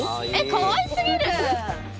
かわいすぎる！